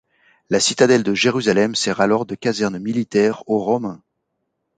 La citadelle de Jérusalem sert alors de caserne militaire aux Romains.